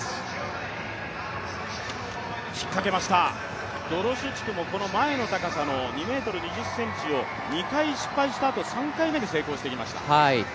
引っ掛けました、ドロシュチュクもこの前の高さの２ｍ２０ｃｍを２回失敗したあと３回目で成功してきました。